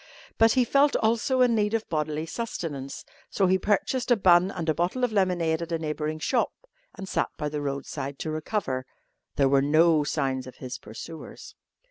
But he felt also in need of bodily sustenance, so he purchased a bun and a bottle of lemonade at a neighbouring shop and sat by the roadside to recover. There were no signs of his pursuers.